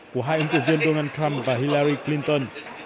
của hai ứng cử viên donald trump và hillary clinton